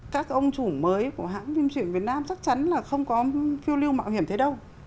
các ông chủ mới của hãng phim truyện việt nam chắc chắn là không có phiêu lưu mạo hiểm thấy đâu